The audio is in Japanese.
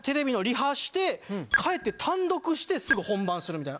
帰って単独してすぐ本番するみたいな。